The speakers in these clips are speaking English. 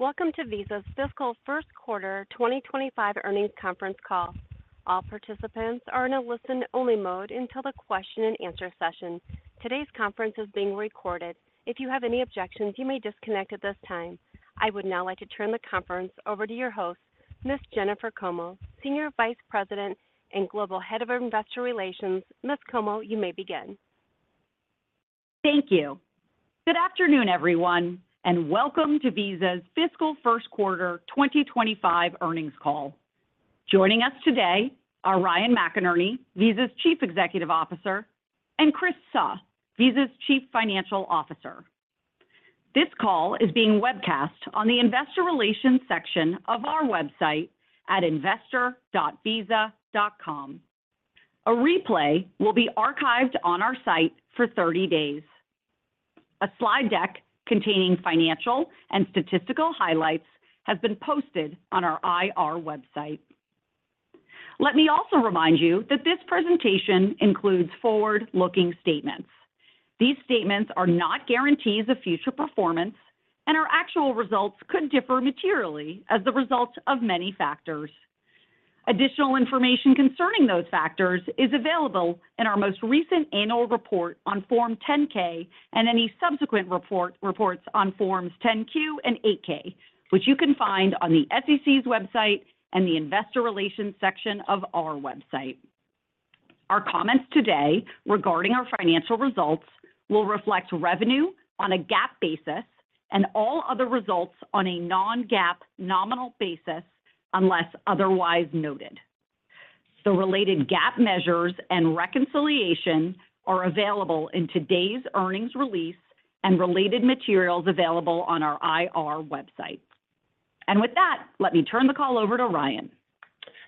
Welcome to Visa's Fiscal First Quarter 2025 Earnings Conference Call. All participants are in a listen-only mode until the question-and-answer session. Today's conference is being recorded. If you have any objections, you may disconnect at this time. I would now like to turn the conference over to your host, Ms. Jennifer Como, Senior Vice President and Global Head of Investor Relations. Ms. Como, you may begin. Thank you. Good afternoon, everyone, and welcome to Visa's Fiscal First Quarter 2025 Earnings Call. Joining us today are Ryan McInerney, Visa's Chief Executive Officer, and Chris Suh, Visa's Chief Financial Officer. This call is being webcast on the Investor Relations section of our website at investor.visa.com. A replay will be archived on our site for 30 days. A slide deck containing financial and statistical highlights has been posted on our IR website. Let me also remind you that this presentation includes forward-looking statements. These statements are not guarantees of future performance, and our actual results could differ materially as the result of many factors. Additional information concerning those factors is available in our most recent annual report on Form 10-K and any subsequent reports on Forms 10-Q and 8-K, which you can find on the SEC's website and the Investor Relations section of our website. Our comments today regarding our financial results will reflect revenue on a GAAP basis and all other results on a non-GAAP nominal basis unless otherwise noted. The related GAAP measures and reconciliation are available in today's earnings release and related materials available on our IR website. And with that, let me turn the call over to Ryan.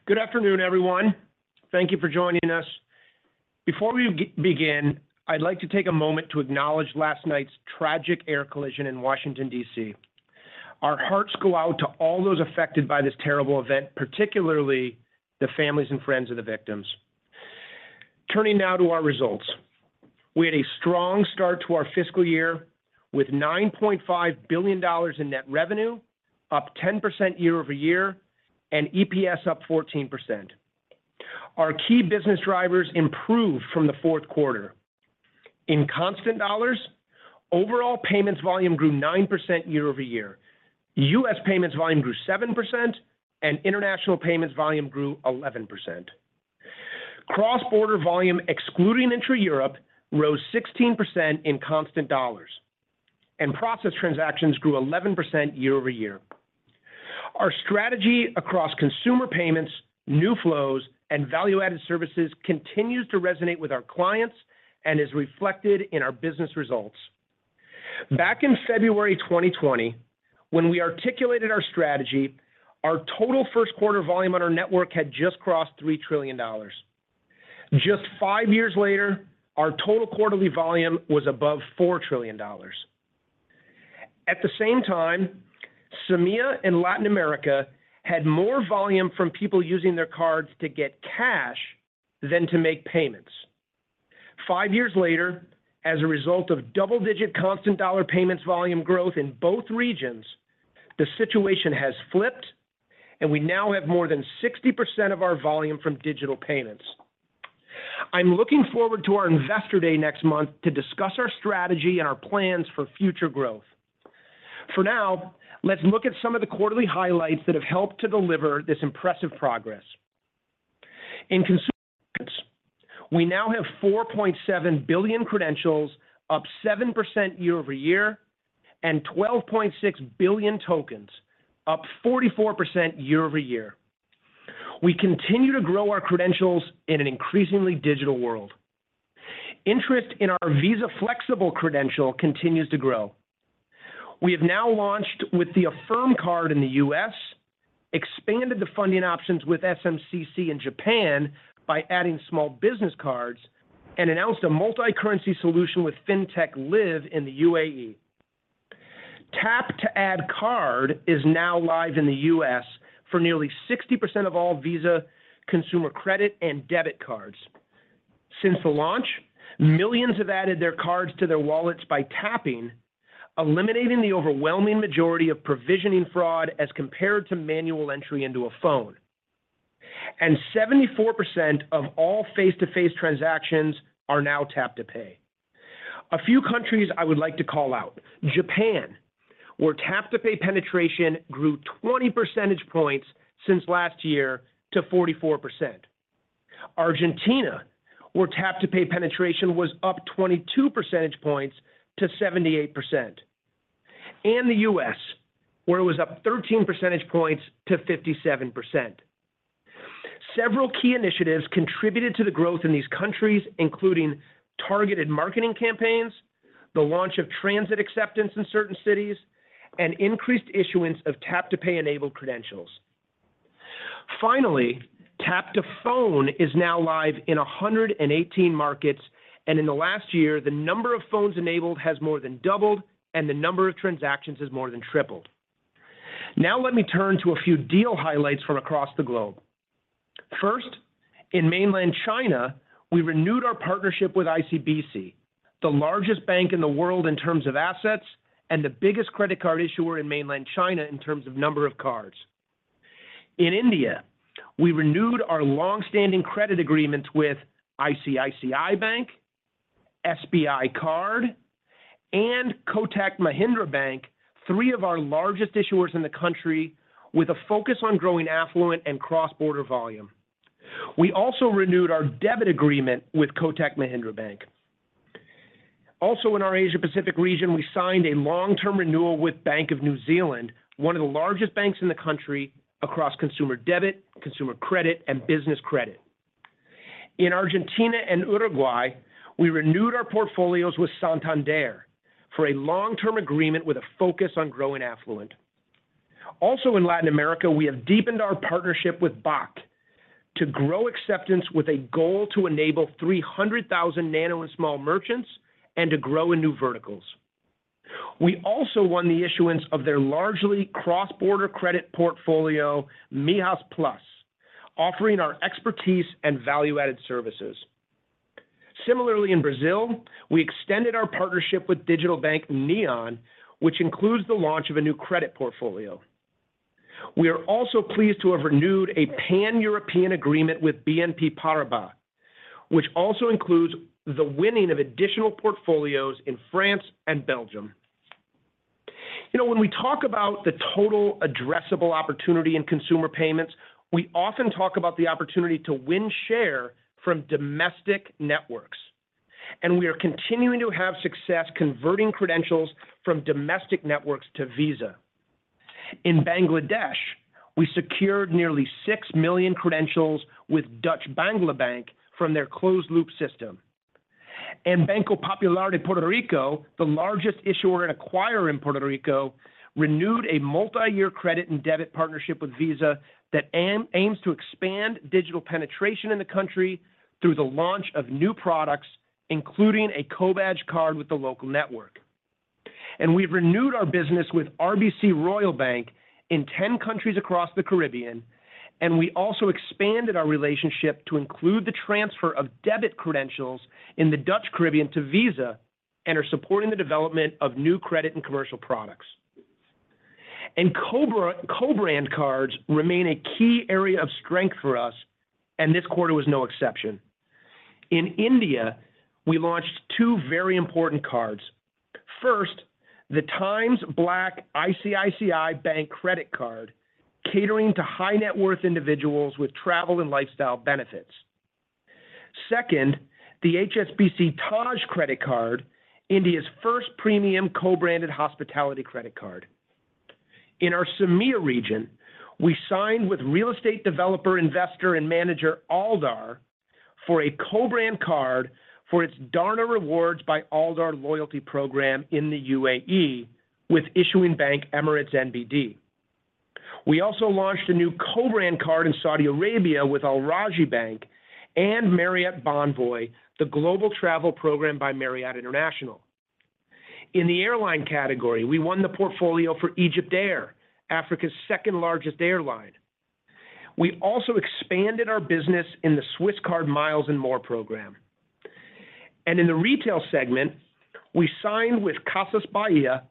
Good afternoon, everyone. Thank you for joining us. Before we begin, I'd like to take a moment to acknowledge last night's tragic air collision in Washington, D.C. Our hearts go out to all those affected by this terrible event, particularly the families and friends of the victims. Turning now to our results, we had a strong start to our fiscal year with $9.5 billion in net revenue, up 10% year-over-year, and EPS up 14%. Our key business drivers improved from the fourth quarter. In constant dollars, overall payments volume grew 9% year-over-year, U.S. payments volume grew 7%, and international payments volume grew 11%. Cross-border volume, excluding intra-Europe, rose 16% in constant dollars, and processed transactions grew 11% year-over-year. Our strategy across consumer payments, new flows, and value-added services continues to resonate with our clients and is reflected in our business results. Back in February 2020, when we articulated our strategy, our total first-quarter volume on our network had just crossed $3 trillion. Just five years later, our total quarterly volume was above $4 trillion. At the same time, CEMEA in Latin America had more volume from people using their cards to get cash than to make payments. Five years later, as a result of double-digit constant dollar payments volume growth in both regions, the situation has flipped, and we now have more than 60% of our volume from digital payments. I'm looking forward to our Investor Day next month to discuss our strategy and our plans for future growth. For now, let's look at some of the quarterly highlights that have helped to deliver this impressive progress. In consumer payments, we now have 4.7 billion credentials, up 7% year-over-year, and 12.6 billion tokens, up 44% year-over-year. We continue to grow our credentials in an increasingly digital world. Interest in our Visa Flexible Credential continues to grow. We have now launched with the Affirm Card in the U.S., expanded the funding options with SMCC in Japan by adding small business cards, and announced a multi-currency solution fintech Liv. in the UAE. Tap-to-Add is now live in the U.S. for nearly 60% of all Visa consumer credit and debit cards. Since the launch, millions have added their cards to their wallets by tapping, eliminating the overwhelming majority of provisioning fraud as compared to manual entry into a phone, and 74% of all face-to-face transactions are now Tap-to-Pay. A few countries I would like to call out: Japan, where Tap-to-Pay penetration grew 20 percentage points since last year to 44%. Argentina, where Tap-to-Pay penetration was up 22 percentage points to 78%. And the U.S., where it was up 13 percentage points to 57%. Several key initiatives contributed to the growth in these countries, including targeted marketing campaigns, the launch of transit acceptance in certain cities, and increased issuance of Tap-to-Pay-enabled credentials. Finally, Tap-to-Phone is now live in 118 markets, and in the last year, the number of phones enabled has more than doubled, and the number of transactions has more than tripled. Now let me turn to a few deal highlights from across the globe. First, in Mainland China, we renewed our partnership with ICBC, the largest bank in the world in terms of assets and the biggest credit card issuer in Mainland China in terms of number of cards. In India, we renewed our longstanding credit agreements with ICICI Bank, SBI Card, and Kotak Mahindra Bank, three of our largest issuers in the country, with a focus on growing affluent and cross-border volume. We also renewed our debit agreement with Kotak Mahindra Bank. Also, in our Asia-Pacific region, we signed a long-term renewal with Bank of New Zealand, one of the largest banks in the country across consumer debit, consumer credit, and business credit. In Argentina and Uruguay, we renewed our portfolios with Santander for a long-term agreement with a focus on growing affluent. Also, in Latin America, we have deepened our partnership with BAC to grow acceptance with a goal to enable 300,000 nano and small merchants and to grow in new verticals. We also won the issuance of their largely cross-border credit portfolio, Millas Plus, offering our expertise and value-added services. Similarly, in Brazil, we extended our partnership with digital bank Neon, which includes the launch of a new credit portfolio. We are also pleased to have renewed a pan-European agreement with BNP Paribas, which also includes the winning of additional portfolios in France and Belgium. You know, when we talk about the total addressable opportunity in consumer payments, we often talk about the opportunity to win share from domestic networks. We are continuing to have success converting credentials from domestic networks to Visa. In Bangladesh, we secured nearly six million credentials with Dutch-Bangla Bank from their closed-loop system. Banco Popular de Puerto Rico, the largest issuer and acquirer in Puerto Rico, renewed a multi-year credit and debit partnership with Visa that aims to expand digital penetration in the country through the launch of new products, including a co-brand card with the local network. We've renewed our business with RBC Royal Bank in 10 countries across the Caribbean, and we also expanded our relationship to include the transfer of debit credentials in the Dutch Caribbean to Visa and are supporting the development of new credit and commercial products. Co-brand cards remain a key area of strength for us, and this quarter was no exception. In India, we launched two very important cards. First, the Times Black ICICI Bank credit card catering to high-net-worth individuals with travel and lifestyle benefits. Second, the HSBC Taj credit card, India's first premium co-branded hospitality credit card. In our CEMEA region, we signed with real estate developer, investor, and manager Aldar for a co-brand card for its Darna Rewards by Aldar loyalty program in the UAE with issuing bank Emirates NBD. We also launched a new co-brand card in Saudi Arabia with Al Rajhi Bank and Marriott Bonvoy, the global travel program by Marriott International. In the airline category, we won the portfolio for Egyptair, Africa's second-largest airline. We also expanded our business in the Swisscard Miles & More program, and in the retail segment, we signed with Casas Bahia,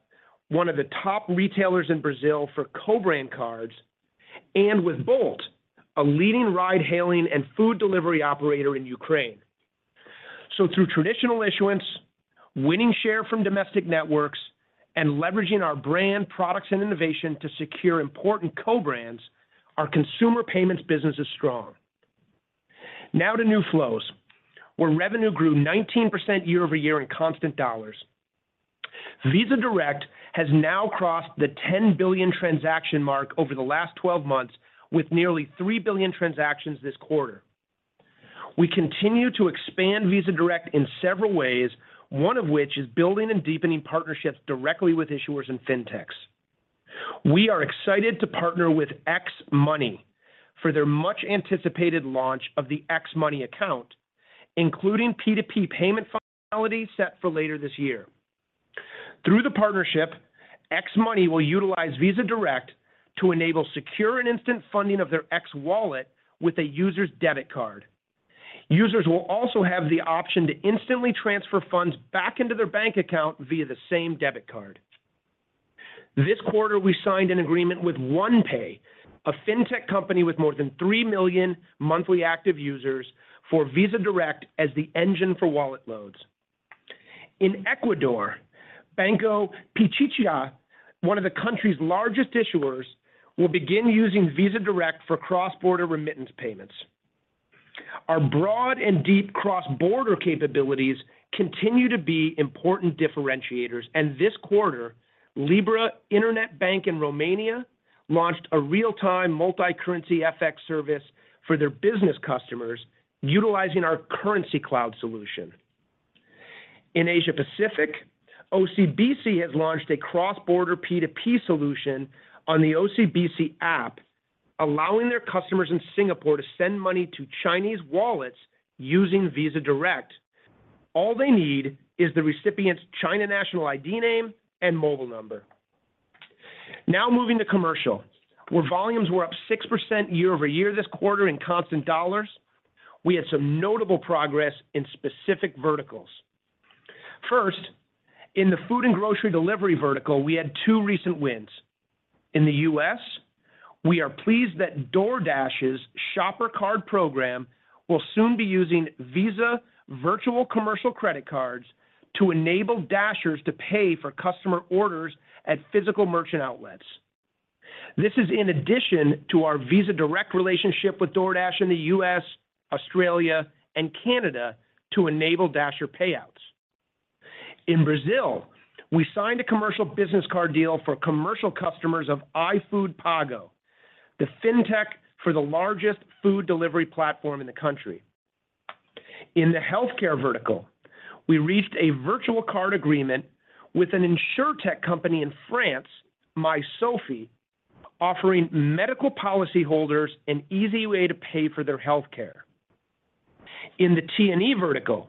one of the top retailers in Brazil for co-brand cards, and with Bolt, a leading ride-hailing and food delivery operator in Ukraine. Through traditional issuance, winning share from domestic networks, and leveraging our brand, products, and innovation to secure important co-brands, our consumer payments business is strong. Now to new flows, where revenue grew 19% year-over-year in constant dollars. Visa Direct has now crossed the 10 billion transaction mark over the last 12 months, with nearly 3 billion transactions this quarter. We continue to expand Visa Direct in several ways, one of which is building and deepening partnerships directly with issuers and fintechs. We are excited to partner with X Money for their much-anticipated launch of the X Money account, including P2P payment functionality set for later this year. Through the partnership, X Money will utilize Visa Direct to enable secure and instant funding of their X Wallet with a user's debit card. Users will also have the option to instantly transfer funds back into their bank account via the same debit card. This quarter, we signed an agreement with OnePay, a fintech company with more than three million monthly active users, for Visa Direct as the engine for wallet loads. In Ecuador, Banco Pichincha, one of the country's largest issuers, will begin using Visa Direct for cross-border remittance payments. Our broad and deep cross-border capabilities continue to be important differentiators, and this quarter, Libra Internet Bank in Romania launched a real-time multi-currency FX service for their business customers, utilizing our Currencycloud solution. In Asia-Pacific, OCBC has launched a cross-border P2P solution on the OCBC app, allowing their customers in Singapore to send money to Chinese wallets using Visa Direct. All they need is the recipient's China national ID name and mobile number. Now moving to commercial, where volumes were up 6% year-over-year this quarter in constant dollars, we had some notable progress in specific verticals. First, in the food and grocery delivery vertical, we had two recent wins. In the U.S., we are pleased that DoorDash's shopper card program will soon be using Visa virtual commercial credit cards to enable dashers to pay for customer orders at physical merchant outlets. This is in addition to our Visa Direct relationship with DoorDash in the U.S., Australia, and Canada to enable dasher payouts. In Brazil, we signed a commercial business card deal for commercial customers of iFood Pago, the fintech for the largest food delivery platform in the country. In the healthcare vertical, we reached a virtual card agreement with an insurtech company in France, mySofie, offering medical policyholders an easy way to pay for their healthcare. In the T&E vertical,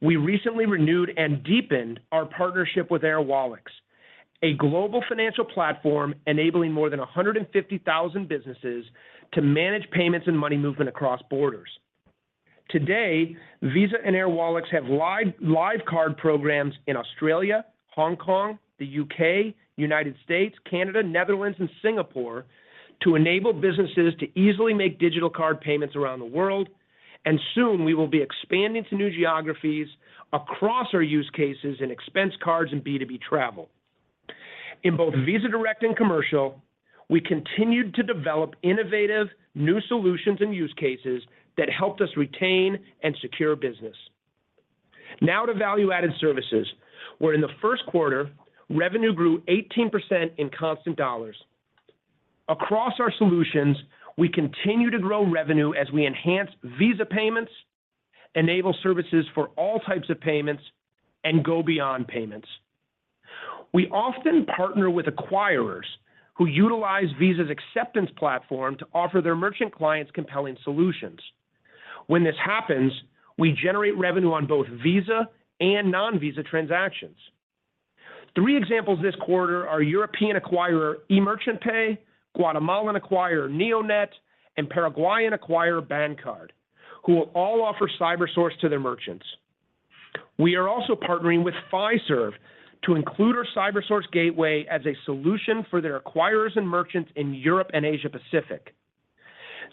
we recently renewed and deepened our partnership with Airwallex, a global financial platform enabling more than 150,000 businesses to manage payments and money movement across borders. Today, Visa and Airwallex have live card programs in Australia, Hong Kong, the U.K., the United States, Canada, Netherlands, and Singapore to enable businesses to easily make digital card payments around the world, and soon we will be expanding to new geographies across our use cases in expense cards and B2B travel. In both Visa Direct and commercial, we continued to develop innovative new solutions and use cases that helped us retain and secure business. Now to value-added services, where in the first quarter, revenue grew 18% in constant dollars. Across our solutions, we continue to grow revenue as we enhance Visa payments, enable services for all types of payments, and go beyond payments. We often partner with acquirers who utilize Visa's acceptance platform to offer their merchant clients compelling solutions. When this happens, we generate revenue on both Visa and non-Visa transactions. Three examples this quarter are European acquirer eMerchantPay, Guatemalan acquirer NeoNet, and Paraguayan acquirer Bancard, who will all offer CyberSource to their merchants. We are also partnering with Fiserv to include our CyberSource gateway as a solution for their acquirers and merchants in Europe and Asia-Pacific.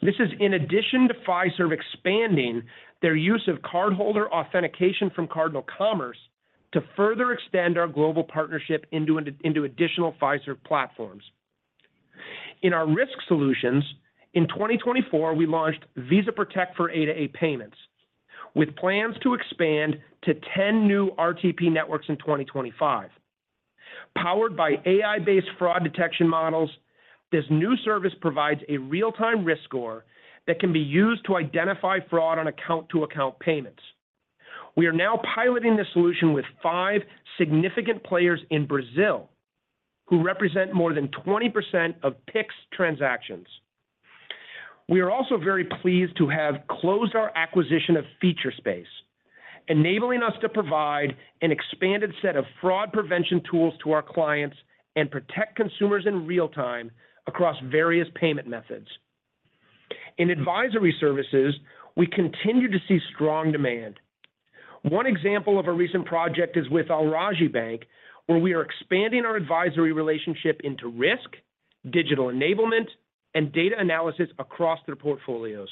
This is in addition to Fiserv expanding their use of cardholder authentication from CardinalCommerce to further extend our global partnership into additional Fiserv platforms. In our risk solutions, in 2024, we launched Visa Protect for A2A payments, with plans to expand to 10 new RTP networks in 2025. Powered by AI-based fraud detection models, this new service provides a real-time risk score that can be used to identify fraud on account-to-account payments. We are now piloting this solution with five significant players in Brazil who represent more than 20% of PIX transactions. We are also very pleased to have closed our acquisition of Featurespace, enabling us to provide an expanded set of fraud prevention tools to our clients and protect consumers in real time across various payment methods. In advisory services, we continue to see strong demand. One example of a recent project is with Al Rajhi Bank, where we are expanding our advisory relationship into risk, digital enablement, and data analysis across their portfolios.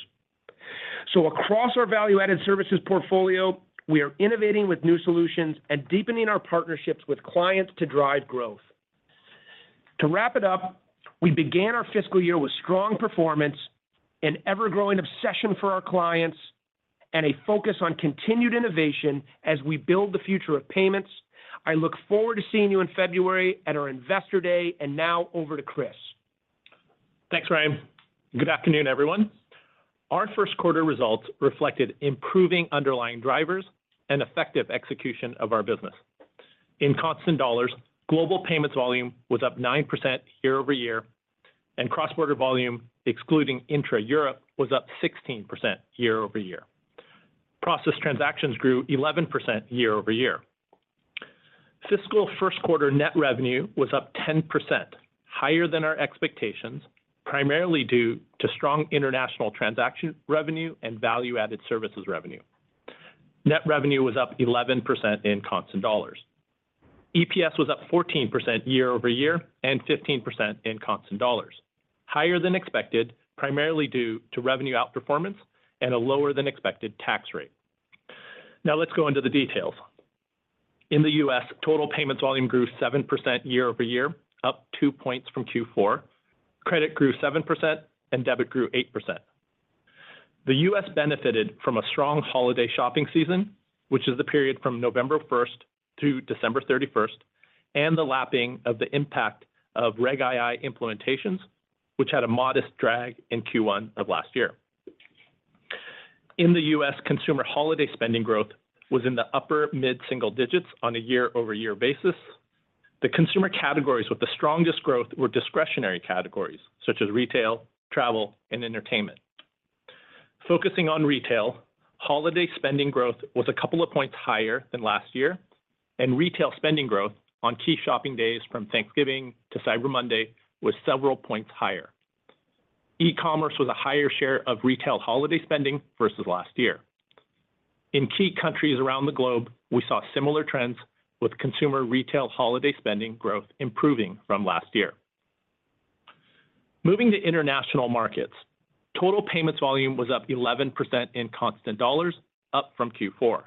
So, across our value-added services portfolio, we are innovating with new solutions and deepening our partnerships with clients to drive growth. To wrap it up, we began our fiscal year with strong performance, an ever-growing obsession for our clients, and a focus on continued innovation as we build the future of payments. I look forward to seeing you in February at our Investor Day, and now over to Chris. Thanks, Ryan. Good afternoon, everyone. Our first quarter results reflected improving underlying drivers and effective execution of our business. In constant dollars, global payments volume was up 9% year-over-year, and cross-border volume, excluding intra-Europe, was up 16% year-over-year. Processed transactions grew 11% year-over-year. Fiscal first quarter net revenue was up 10%, higher than our expectations, primarily due to strong international transaction revenue and value-added services revenue. Net revenue was up 11% in constant dollars. EPS was up 14% year-over-year and 15% in constant dollars, higher than expected, primarily due to revenue outperformance and a lower-than-expected tax rate. Now let's go into the details. In the U.S., total payments volume grew 7% year-over-year, up 2 points from Q4. Credit grew 7%, and debit grew 8%. The U.S. Benefited from a strong holiday shopping season, which is the period from November 1st through December 31st, and the lapping of the impact of Reg II implementations, which had a modest drag in Q1 of last year. In the U.S., consumer holiday spending growth was in the upper-mid single digits on a year-over-year basis. The consumer categories with the strongest growth were discretionary categories, such as retail, travel, and entertainment. Focusing on retail, holiday spending growth was a couple of points higher than last year, and retail spending growth on key shopping days from Thanksgiving to Cyber Monday was several points higher. E-commerce was a higher share of retail holiday spending versus last year. In key countries around the globe, we saw similar trends, with consumer retail holiday spending growth improving from last year. Moving to international markets, total payments volume was up 11% in constant dollars, up from Q4.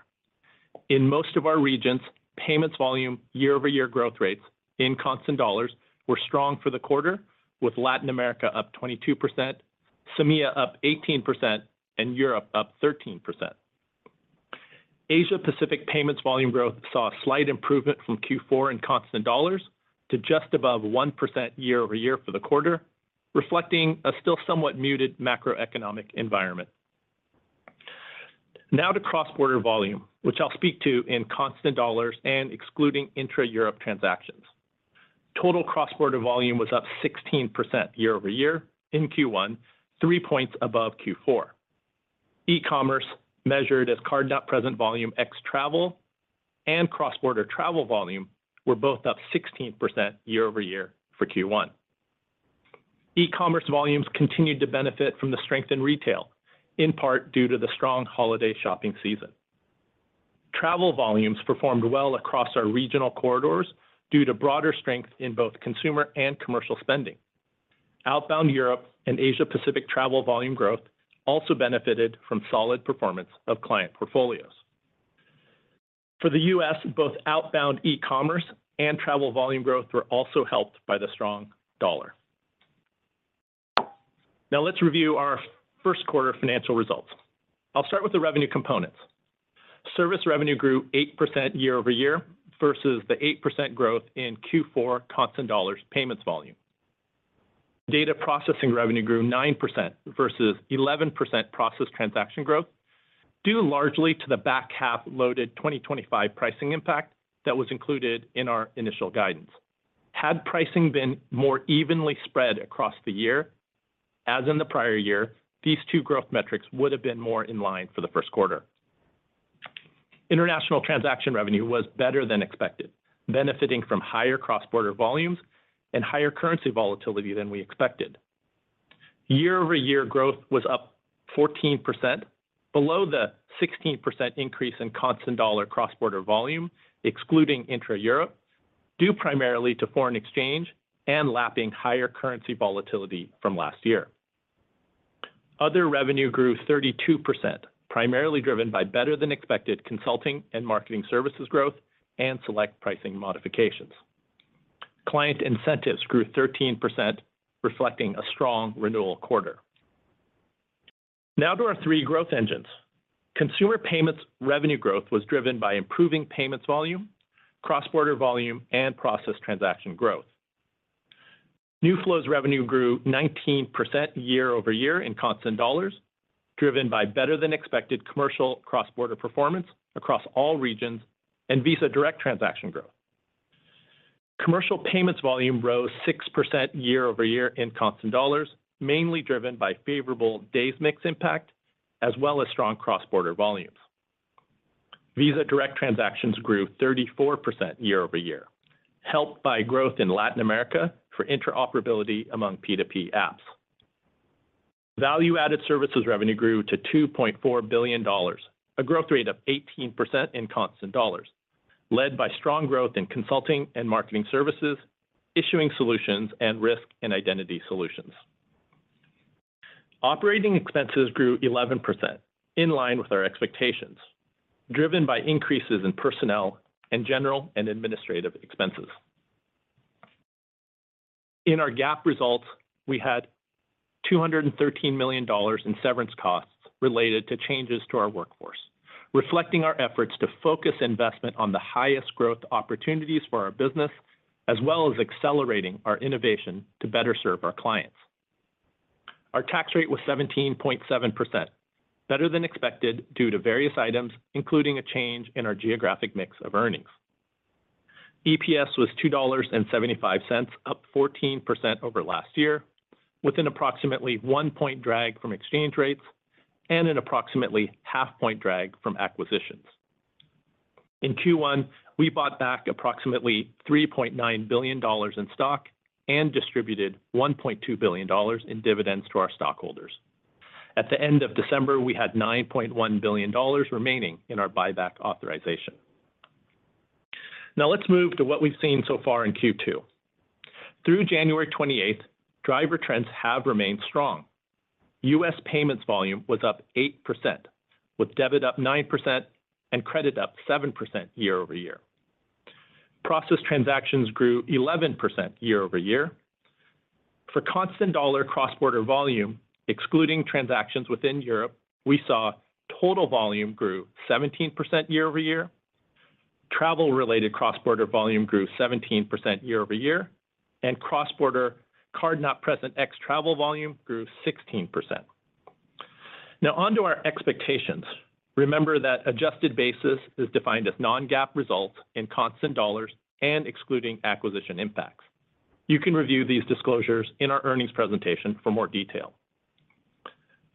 In most of our regions, payments volume year-over-year growth rates in constant dollars were strong for the quarter, with Latin America up 22%, CEMEA up 18%, and Europe up 13%. Asia-Pacific payments volume growth saw a slight improvement from Q4 in constant dollars to just above 1% year-over-year for the quarter, reflecting a still somewhat muted macroeconomic environment. Now to cross-border volume, which I'll speak to in constant dollars and excluding intra-Europe transactions. Total cross-border volume was up 16% year-over-year in Q1, 3 points above Q4. E-commerce, measured as card-not-present volume, and travel and cross-border travel volume, were both up 16% year-over-year for Q1. E-commerce volumes continued to benefit from the strength in retail, in part due to the strong holiday shopping season. Travel volumes performed well across our regional corridors due to broader strength in both consumer and commercial spending. Outbound Europe and Asia-Pacific travel volume growth also benefited from solid performance of client portfolios. For the U.S., both outbound e-commerce and travel volume growth were also helped by the strong dollar. Now let's review our first quarter financial results. I'll start with the revenue components. Service revenue grew 8% year-over-year versus the 8% growth in Q4 constant dollars payments volume. Data processing revenue grew 9% versus 11% processed transaction growth, due largely to the back half-loaded 2025 pricing impact that was included in our initial guidance. Had pricing been more evenly spread across the year, as in the prior year, these two growth metrics would have been more in line for the first quarter. International transaction revenue was better than expected, benefiting from higher cross-border volumes and higher currency volatility than we expected. Year-over-year growth was up 14%, below the 16% increase in constant dollars cross-border volume, excluding intra-Europe, due primarily to foreign exchange and lapping higher currency volatility from last year. Other revenue grew 32%, primarily driven by better-than-expected consulting and marketing services growth and select pricing modifications. Client incentives grew 13%, reflecting a strong renewal quarter. Now to our three growth engines. Consumer payments revenue growth was driven by improving payments volume, cross-border volume, and processed transaction growth. New flows revenue grew 19% year-over-year in constant dollars, driven by better-than-expected commercial cross-border performance across all regions and Visa Direct transaction growth. Commercial payments volume rose 6% year-over-year in constant dollars, mainly driven by favorable days mix impact, as well as strong cross-border volumes. Visa Direct transactions grew 34% year-over-year, helped by growth in Latin America for interoperability among P2P apps. Value-added services revenue grew to $2.4 billion, a growth rate of 18% in constant dollars, led by strong growth in consulting and marketing services, issuing solutions, and risk and identity solutions. Operating expenses grew 11%, in line with our expectations, driven by increases in personnel and general and administrative expenses. In our GAAP results, we had $213 million in severance costs related to changes to our workforce, reflecting our efforts to focus investment on the highest growth opportunities for our business, as well as accelerating our innovation to better serve our clients. Our tax rate was 17.7%, better than expected due to various items, including a change in our geographic mix of earnings. EPS was $2.75, up 14% over last year, with an approximately 1-point drag from exchange rates and an approximately half-point drag from acquisitions. In Q1, we bought back approximately $3.9 billion in stock and distributed $1.2 billion in dividends to our stockholders. At the end of December, we had $9.1 billion remaining in our buyback authorization. Now let's move to what we've seen so far in Q2. Through January 28th, driver trends have remained strong. U.S. payments volume was up 8%, with debit up 9% and credit up 7% year-over-year. Processed transactions grew 11% year-over-year. For constant dollar cross-border volume, excluding transactions within Europe, we saw total volume grew 17% year-over-year. Travel-related cross-border volume grew 17% year-over-year, and cross-border card-not-present excluding travel volume grew 16%. Now onto our expectations. Remember that adjusted basis is defined as non-GAAP results in constant dollars and excluding acquisition impacts. You can review these disclosures in our earnings presentation for more detail.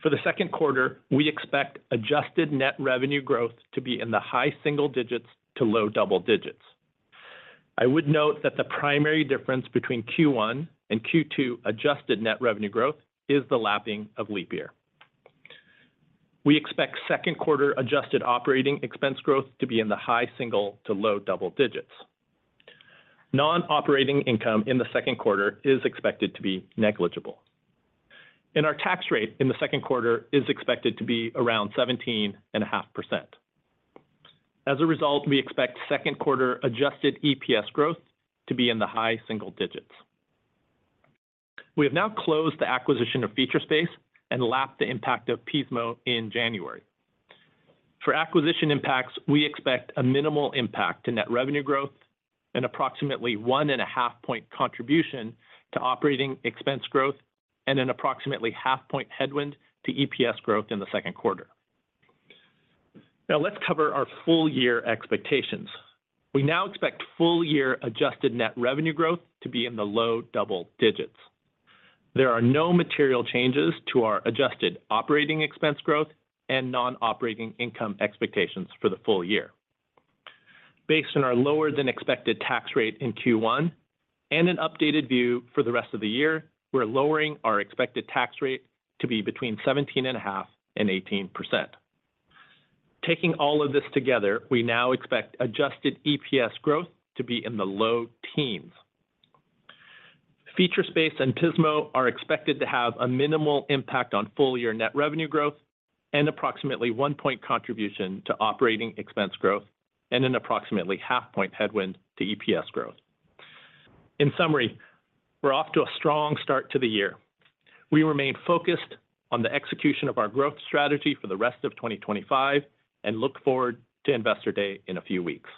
For the second quarter, we expect adjusted net revenue growth to be in the high single digits to low double digits. I would note that the primary difference between Q1 and Q2 adjusted net revenue growth is the lapping of leap year. We expect second quarter adjusted operating expense growth to be in the high single to low double digits. Non-operating income in the second quarter is expected to be negligible. And our tax rate in the second quarter is expected to be around 17.5%. As a result, we expect second quarter adjusted EPS growth to be in the high single digits. We have now closed the acquisition of Featurespace and lapped the impact of Pismo in January. For acquisition impacts, we expect a minimal impact to net revenue growth, an approximately 1.5-point contribution to operating expense growth, and an approximately half-point headwind to EPS growth in the second quarter. Now let's cover our full-year expectations. We now expect full-year adjusted net revenue growth to be in the low double digits. There are no material changes to our adjusted operating expense growth and non-operating income expectations for the full year. Based on our lower-than-expected tax rate in Q1 and an updated view for the rest of the year, we're lowering our expected tax rate to be between 17.5% and 18%. Taking all of this together, we now expect adjusted EPS growth to be in the low teens. Featurespace and Pismo are expected to have a minimal impact on full-year net revenue growth and approximately one-point contribution to operating expense growth and an approximately half-point headwind to EPS growth. In summary, we're off to a strong start to the year. We remain focused on the execution of our growth strategy for the rest of 2025 and look forward to Investor Day in a few weeks.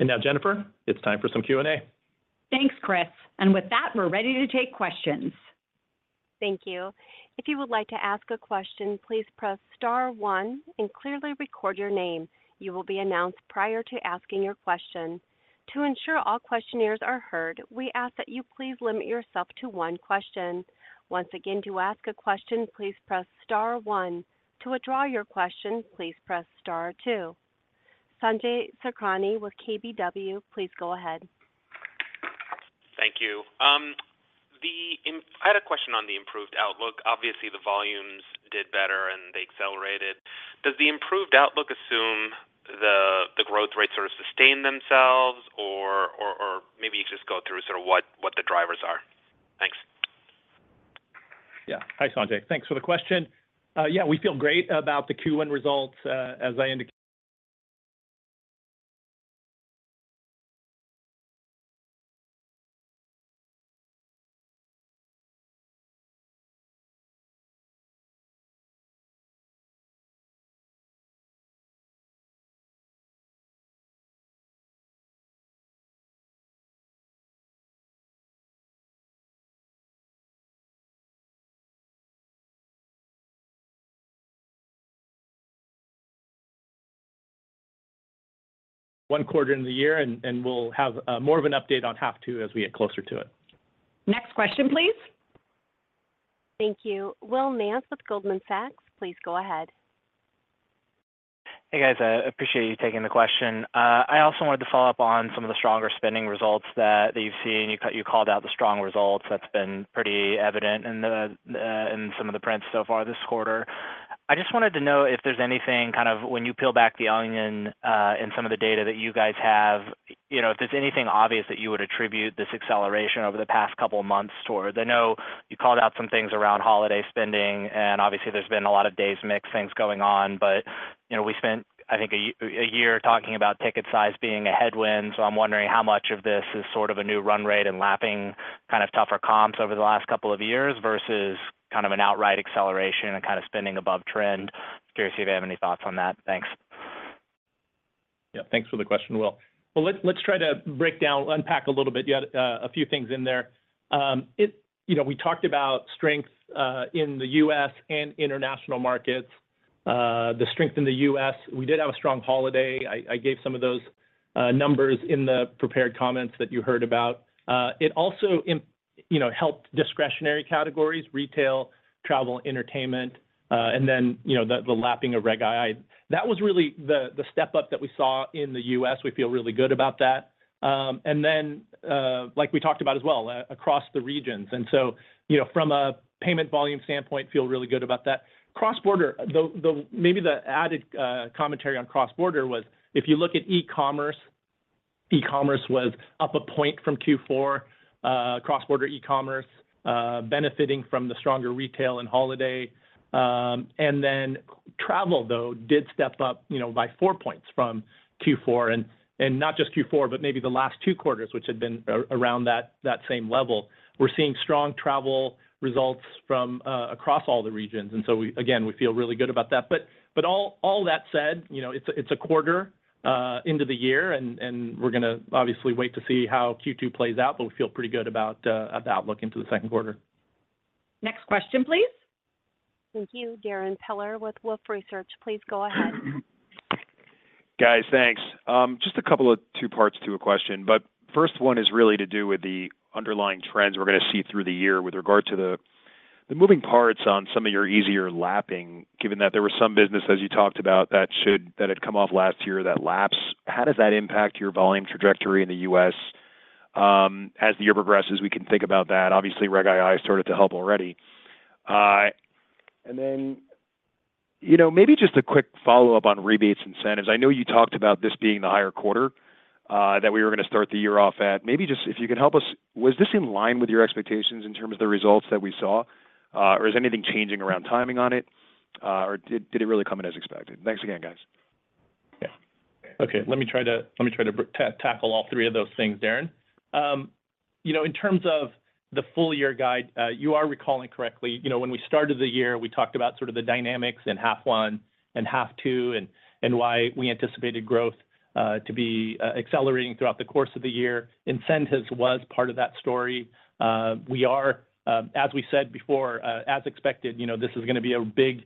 Now, Jennifer, it's time for some Q&A. Thanks, Chris. With that, we're ready to take questions. Thank you. If you would like to ask a question, please press star one and clearly record your name. You will be announced prior to asking your question. To ensure all questioners are heard, we ask that you please limit yourself to one question. Once again, to ask a question, please press star one. To withdraw your question, please press star two. Sanjay Sakhrani with KBW, please go ahead. Thank you. I had a question on the improved outlook. Obviously, the volumes did better and they accelerated. Does the improved outlook assume the growth rates sort of sustain themselves, or maybe you could just go through sort of what the drivers are? Thanks. Yeah. Hi, Sanjay. Thanks for the question. Yeah, we feel great about the Q1 results, as I indicated. One quarter in the year, and we'll have more of an update on half two as we get closer to it. Next question, please. Thank you. Will Nance with Goldman Sachs, please go ahead. Hey, guys. I appreciate you taking the question. I also wanted to follow up on some of the stronger spending results that you've seen. You called out the strong results. That's been pretty evident in some of the prints so far this quarter. I just wanted to know if there's anything kind of, when you peel back the onion in some of the data that you guys have, if there's anything obvious that you would attribute this acceleration over the past couple of months towards. I know you called out some things around holiday spending, and obviously, there's been a lot of days mix things going on. But we spent, I think, a year talking about ticket size being a headwind. So I'm wondering how much of this is sort of a new run rate and lapping kind of tougher comps over the last couple of years versus kind of an outright acceleration and kind of spending above trend. Curious if you have any thoughts on that. Thanks. Yeah. Thanks for the question, Will. Well, let's try to break down, unpack a little bit. You had a few things in there. We talked about strength in the U.S. and international markets, the strength in the U.S. We did have a strong holiday. I gave some of those numbers in the prepared comments that you heard about. It also helped discretionary categories: retail, travel, entertainment, and then the lapping of Reg II. That was really the step-up that we saw in the U.S. We feel really good about that, and then, like we talked about as well, across the regions, and so from a payment volume standpoint, feel really good about that. Maybe the added commentary on cross-border was, if you look at e-commerce, e-commerce was up a point from Q4. Cross-border e-commerce benefiting from the stronger retail and holiday, and then travel, though, did step up by four points from Q4, and not just Q4, but maybe the last two quarters, which had been around that same level. We're seeing strong travel results from across all the regions. And so again, we feel really good about that. But all that said, it's a quarter into the year, and we're going to obviously wait to see how Q2 plays out, but we feel pretty good about the outlook into the second quarter. Next question, please. Thank you. Darren Peller with Wolfe Research. Please go ahead. Guys, thanks. Just a couple of two parts to a question. But first one is really to do with the underlying trends we're going to see through the year with regard to the moving parts on some of your easier lapping, given that there was some business, as you talked about, that had come off last year that laps. How does that impact your volume trajectory in the U.S. as the year progresses? We can think about that. Obviously, Reg II started to help already. And then maybe just a quick follow-up on rebates incentives. I know you talked about this being the higher quarter that we were going to start the year off at. Maybe just if you can help us, was this in line with your expectations in terms of the results that we saw, or is anything changing around timing on it, or did it really come in as expected? Thanks again, guys. Yeah. Okay. Let me try to tackle all three of those things, Darren. In terms of the full-year guide, you are recalling correctly. When we started the year, we talked about sort of the dynamics in half one and half two and why we anticipated growth to be accelerating throughout the course of the year. Incentives was part of that story. We are, as we said before, as expected, this is going to be a big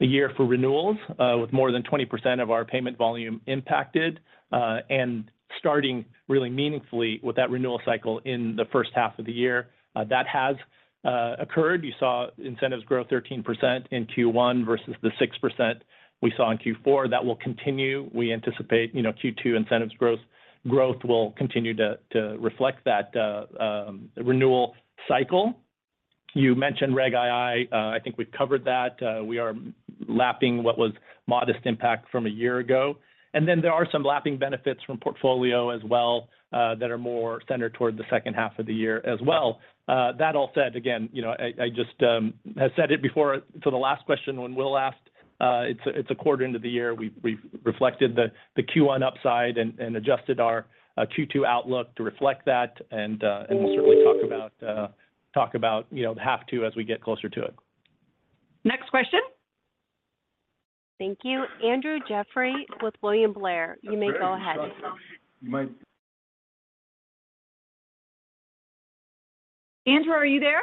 year for renewals with more than 20% of our payment volume impacted and starting really meaningfully with that renewal cycle in the first half of the year. That has occurred. You saw incentives grow 13% in Q1 versus the 6% we saw in Q4. That will continue. We anticipate Q2 incentives growth will continue to reflect that renewal cycle. You mentioned Reg II. I think we've covered that. We are lapping what was modest impact from a year ago. And then there are some lapping benefits from portfolio as well that are more centered toward the second half of the year as well. That all said, again, I just have said it before. So the last question when Will asked, it's a quarter into the year. We've reflected the Q1 upside and adjusted our Q2 outlook to reflect that. And we'll certainly talk about half two as we get closer to it. Next question. Thank you. Andrew Jeffrey with William Blair. You may go ahead. Andrew, are you there?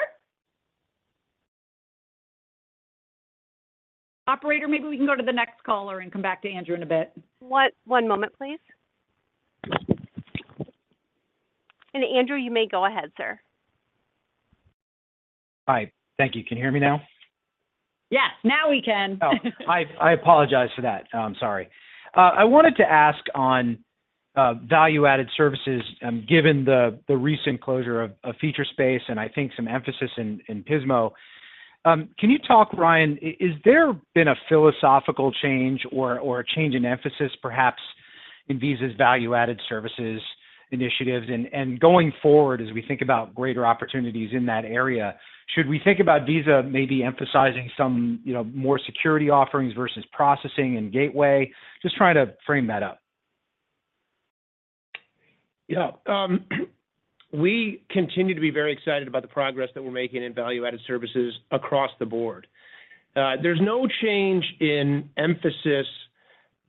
Operator, maybe we can go to the next caller and come back to Andrew in a bit. One moment, please. And Andrew, you may go ahead, sir. Hi. Thank you. Can you hear me now? Yes. Now we can. Oh, I apologize for that. I'm sorry. I wanted to ask on value-added services given the recent closure of Featurespace and I think some emphasis in Pismo. Can you talk, Ryan? Has there been a philosophical change or a change in emphasis, perhaps, in Visa's value-added services initiatives? And going forward, as we think about greater opportunities in that area, should we think about Visa maybe emphasizing some more security offerings versus processing and gateway? Just trying to frame that up. Yeah. We continue to be very excited about the progress that we're making in value-added services across the board. There's no change in emphasis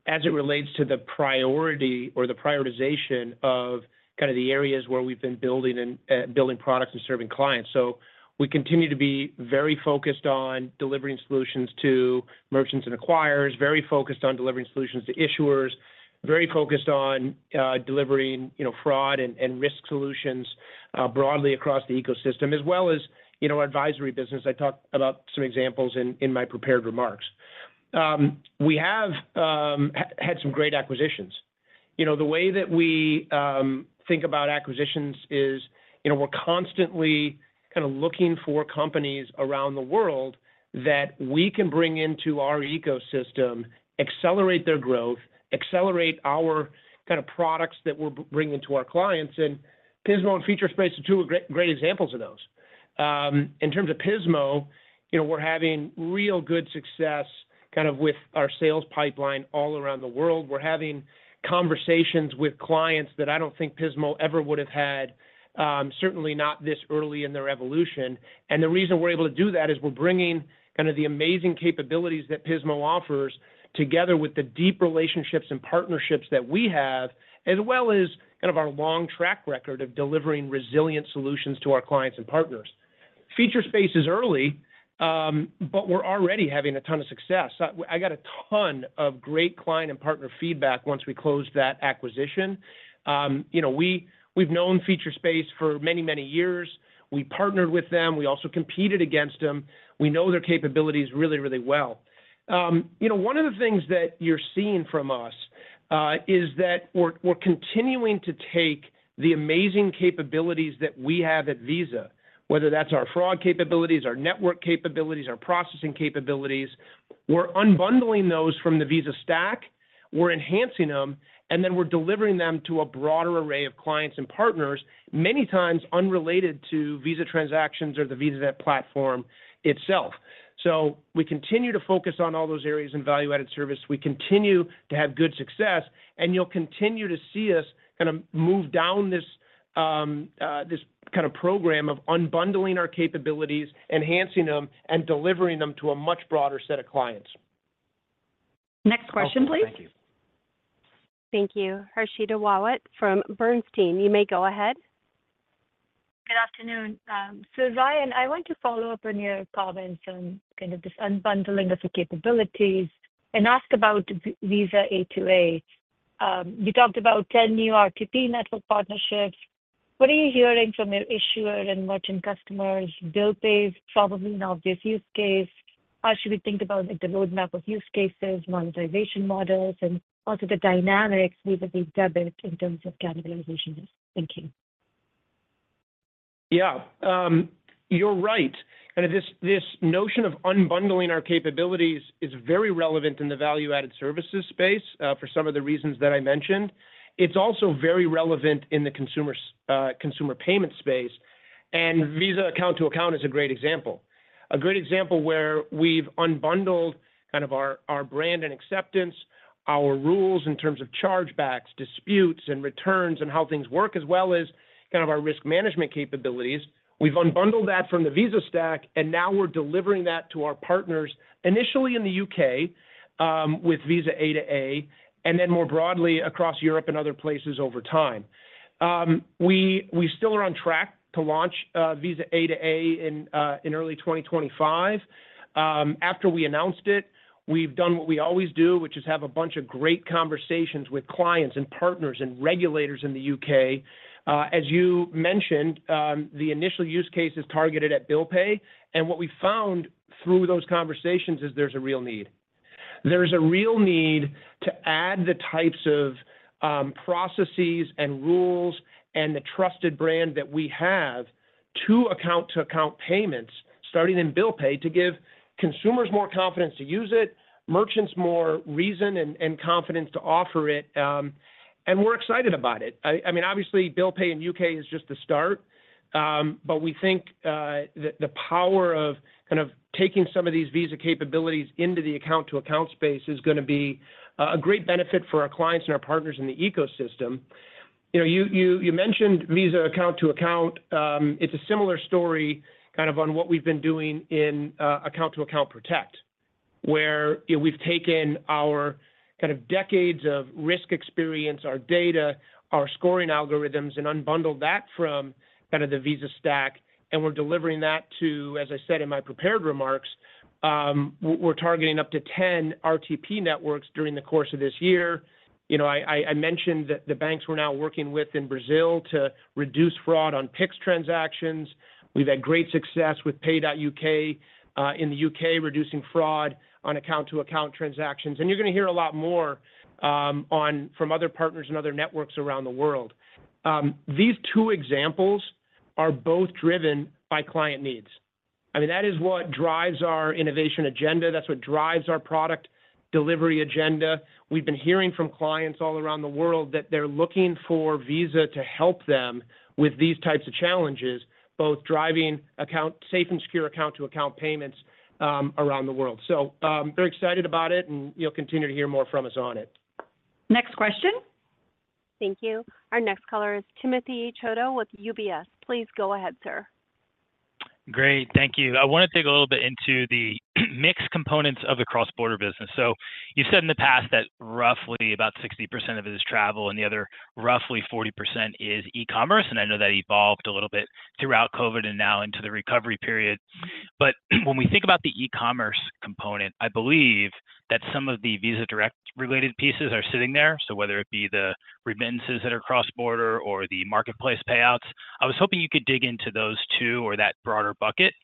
as it relates to the priority or the prioritization of kind of the areas where we've been building products and serving clients. So we continue to be very focused on delivering solutions to merchants and acquirers, very focused on delivering solutions to issuers, very focused on delivering fraud and risk solutions broadly across the ecosystem, as well as our advisory business. I talked about some examples in my prepared remarks. We have had some great acquisitions. The way that we think about acquisitions is we're constantly kind of looking for companies around the world that we can bring into our ecosystem, accelerate their growth, accelerate our kind of products that we're bringing to our clients, and Pismo and Featurespace are two great examples of those. In terms of Pismo, we're having real good success kind of with our sales pipeline all around the world. We're having conversations with clients that I don't think Pismo ever would have had, certainly not this early in their evolution, and the reason we're able to do that is we're bringing kind of the amazing capabilities that Pismo offers together with the deep relationships and partnerships that we have, as well as kind of our long track record of delivering resilient solutions to our clients and partners. Featurespace is early, but we're already having a ton of success. I got a ton of great client and partner feedback once we closed that acquisition. We've known Featurespace for many, many years. We partnered with them. We also competed against them. We know their capabilities really, really well. One of the things that you're seeing from us is that we're continuing to take the amazing capabilities that we have at Visa, whether that's our fraud capabilities, our network capabilities, our processing capabilities. We're unbundling those from the Visa stack. We're enhancing them, and then we're delivering them to a broader array of clients and partners, many times unrelated to Visa transactions or the Visa platform itself. So we continue to focus on all those areas in value-added service. We continue to have good success, and you'll continue to see us kind of move down this kind of program of unbundling our capabilities, enhancing them, and delivering them to a much broader set of clients. Next question, please. Thank you. Thank you. Harshita Rawat from Bernstein. You may go ahead. Good afternoon. So Ryan, I want to follow up on your comments on kind of this unbundling of the capabilities and ask about Visa A2A. You talked about 10 new RTP network partnerships. What are you hearing from your issuer and merchant customers? Bill Pay is probably an obvious use case. How should we think about the roadmap of use cases, monetization models, and also the dynamics with the debit in terms of capitalization thinking? Yeah. You're right. This notion of unbundling our capabilities is very relevant in the value-added services space for some of the reasons that I mentioned. It's also very relevant in the consumer payment space. Visa Account to Account is a great example. A great example where we've unbundled kind of our brand and acceptance, our rules in terms of chargebacks, disputes, and returns, and how things work, as well as kind of our risk management capabilities. We've unbundled that from the Visa stack, and now we're delivering that to our partners, initially in the U.K. with Visa A2A, and then more broadly across Europe and other places over time. We still are on track to launch Visa A2A in early 2025. After we announced it, we've done what we always do, which is have a bunch of great conversations with clients and partners and regulators in the U.K. As you mentioned, the initial use case is targeted at Bill Pay. And what we found through those conversations is there's a real need. There's a real need to add the types of processes and rules and the trusted brand that we have to account to account payments, starting in Bill Pay, to give consumers more confidence to use it, merchants more reason and confidence to offer it. And we're excited about it. I mean, obviously, Bill Pay in the U.K. is just the start, but we think the power of kind of taking some of these Visa capabilities into the account to account space is going to be a great benefit for our clients and our partners in the ecosystem. You mentioned Visa account to account. It's a similar story kind of on what we've been doing in account-to-account protect, where we've taken our kind of decades of risk experience, our data, our scoring algorithms, and unbundled that from kind of the Visa stack. We're delivering that to, as I said in my prepared remarks, we're targeting up to 10 RTP networks during the course of this year. I mentioned that the banks we're now working with in Brazil to reduce fraud on PIX transactions. We've had great success with Pay.UK in the U.K. reducing fraud on account-to-account transactions. You're going to hear a lot more from other partners and other networks around the world. These two examples are both driven by client needs. I mean, that is what drives our innovation agenda. That's what drives our product delivery agenda. We've been hearing from clients all around the world that they're looking for Visa to help them with these types of challenges, both driving safe and secure account to account payments around the world. So very excited about it, and you'll continue to hear more from us on it. Next question. Thank you. Our next caller is Timothy Chiodo with UBS. Please go ahead, sir. Great. Thank you. I want to dig a little bit into the mixed components of the cross-border business. So you said in the past that roughly about 60% of it is travel and the other roughly 40% is e-commerce. And I know that evolved a little bit throughout COVID and now into the recovery period. But when we think about the e-commerce component, I believe that some of the Visa Direct-related pieces are sitting there. So whether it be the remittances that are cross-border or the marketplace payouts, I was hoping you could dig into those two or that broader bucket.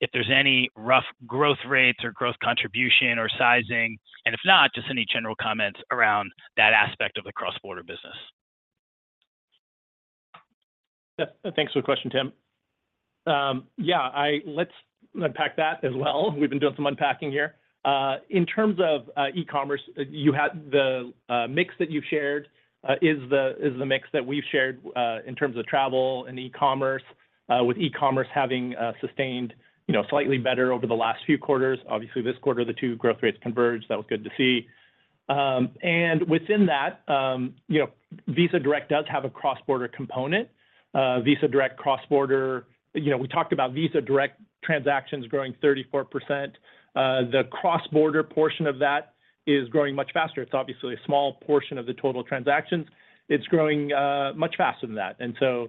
If there's any rough growth rates or growth contribution or sizing, and if not, just any general comments around that aspect of the cross-border business. Thanks for the question, Tim. Yeah. Let's unpack that as well. We've been doing some unpacking here. In terms of e-commerce, the mix that you shared is the mix that we've shared in terms of travel and e-commerce, with e-commerce having sustained slightly better over the last few quarters. Obviously, this quarter, the two growth rates converged. That was good to see. And within that, Visa Direct does have a cross-border component. Visa Direct cross-border, we talked about Visa Direct transactions growing 34%. The cross-border portion of that is growing much faster. It's obviously a small portion of the total transactions. It's growing much faster than that. And so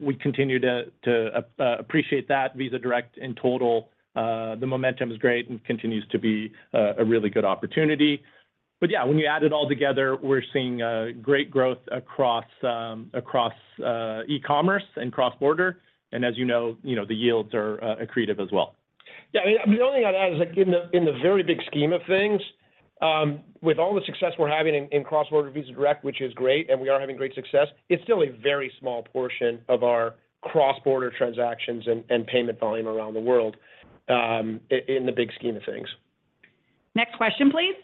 we continue to appreciate that. Visa Direct in total, the momentum is great and continues to be a really good opportunity. But yeah, when you add it all together, we're seeing great growth across e-commerce and cross-border. And as you know, the yields are accretive as well. Yeah. I mean, the only thing I'd add is in the very big scheme of things, with all the success we're having in cross-border Visa Direct, which is great, and we are having great success, it's still a very small portion of our cross-border transactions and payment volume around the world in the big scheme of things. Next question, please.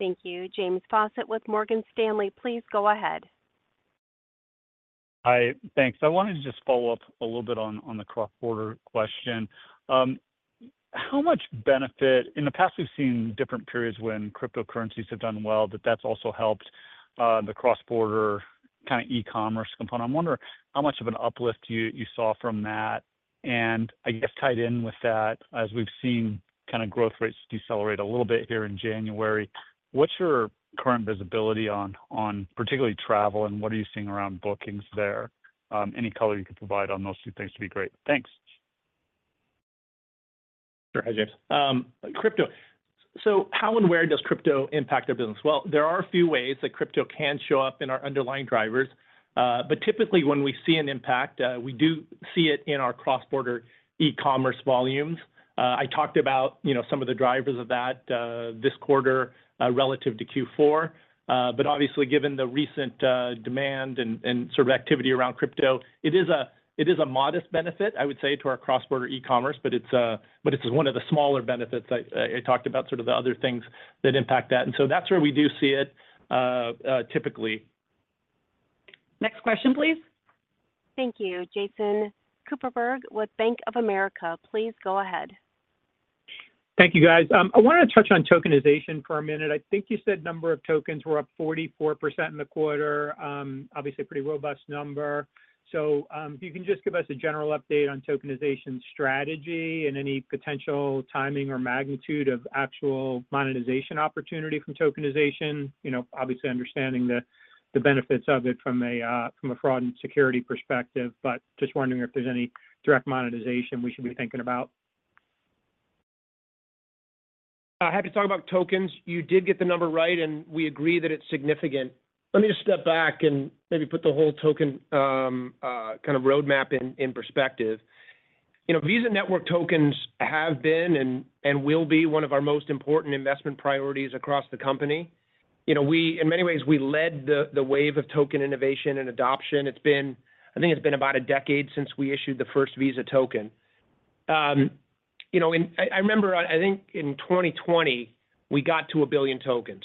Thank you. James Faucette with Morgan Stanley. Please go ahead. Hi. Thanks. I wanted to just follow up a little bit on the cross-border question. How much benefit in the past, we've seen different periods when cryptocurrencies have done well, but that's also helped the cross-border kind of e-commerce component. I'm wondering how much of an uplift you saw from that. And I guess tied in with that, as we've seen kind of growth rates decelerate a little bit here in January, what's your current visibility on particularly travel, and what are you seeing around bookings there? Any color you could provide on those two things would be great. Thanks. Sure. Hi, James. Crypto. So how and where does crypto impact our business? Well, there are a few ways that crypto can show up in our underlying drivers. But typically, when we see an impact, we do see it in our cross-border e-commerce volumes. I talked about some of the drivers of that this quarter relative to Q4. But obviously, given the recent demand and sort of activity around crypto, it is a modest benefit, I would say, to our cross-border e-commerce, but it's one of the smaller benefits I talked about, sort of the other things that impact that. And so that's where we do see it typically. Next question, please. Thank you. Jason Kupferberg with Bank of America. Please go ahead. Thank you, guys. I wanted to touch on tokenization for a minute. I think you said number of tokens were up 44% in the quarter. Obviously, a pretty robust number. So if you can just give us a general update on tokenization strategy and any potential timing or magnitude of actual monetization opportunity from tokenization, obviously understanding the benefits of it from a fraud and security perspective, but just wondering if there's any direct monetization we should be thinking about. Happy to talk about tokens. You did get the number right, and we agree that it's significant. Let me just step back and maybe put the whole token kind of roadmap in perspective. Visa Network tokens have been and will be one of our most important investment priorities across the company. In many ways, we led the wave of token innovation and adoption. I think it's been about a decade since we issued the first Visa token. I remember, I think in 2020, we got to a billion tokens.